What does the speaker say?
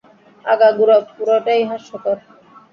আগাগোড়া পুরোটাই হাস্যকর!